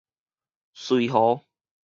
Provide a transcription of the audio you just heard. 穗和